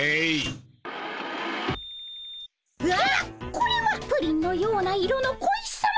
これはプリンのような色の小石さま！